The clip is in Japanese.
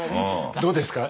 どうですか？